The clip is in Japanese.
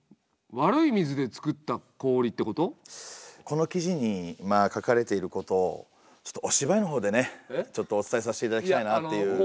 この記事に書かれていることをちょっとお芝居の方でねちょっとお伝えさして頂きたいなっていう。